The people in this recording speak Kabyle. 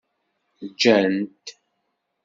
Ǧǧan-t.